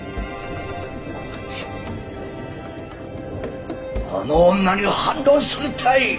こっちもあの女に反論するったい！